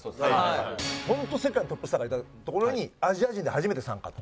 ホント世界のトップスターがいた所にアジア人で初めて参加と。